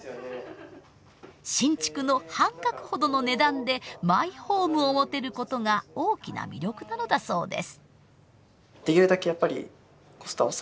新築の半額ほどの値段でマイホームを持てることが大きな魅力なのだそうです。